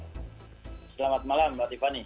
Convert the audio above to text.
selamat malam mbak tiffany